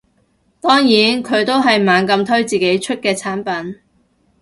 當然佢都係猛咁推自己出嘅產品